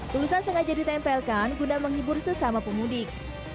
tulisan sengaja ditempelkan guna menghibur sesama pemudik